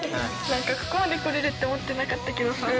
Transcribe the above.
ここまで来れるって思ってなかったけどさ